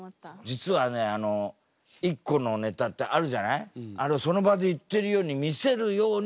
実はね一個のネタってあるじゃない？